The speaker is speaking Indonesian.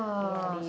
oh sesuai ya